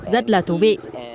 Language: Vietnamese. rất là thú vị